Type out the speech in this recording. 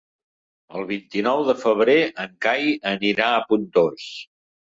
El vint-i-nou de febrer en Cai anirà a Pontós.